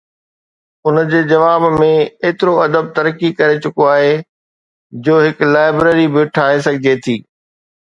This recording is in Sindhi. ان جي جواب ۾ ايترو ادب ترقي ڪري چڪو آهي جو هڪ لائبريري به ٺاهي سگهجي ٿي.